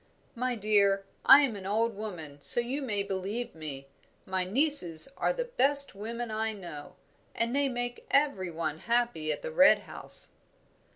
"My dear, I am an old woman, so you may believe me. My nieces are the best women I know, and they make every one happy at the Red House."